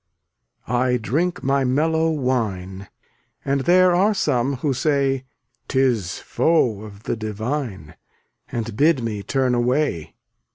316 I drink my mellow wine, And there are some who say 'Tis foe of the divine, And bid me turn away.